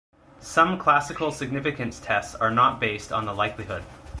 Some classical significance tests are not based on the likelihood.